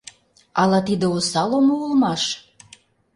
Ала тиде осал омо улмаш?